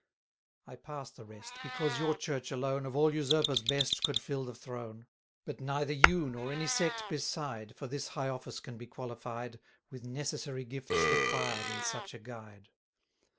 I pass the rest, because your Church alone Of all usurpers best could fill the throne. But neither you, nor any sect beside, For this high office can be qualified, With necessary gifts required in such a guide.